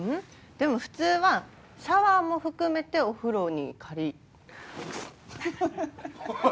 でも普通はシャワーも含めてお風呂に借り。